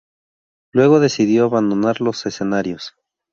Luego decidió abandonar los escenarios.